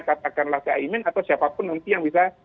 katakanlah caimin atau siapapun nanti yang bisa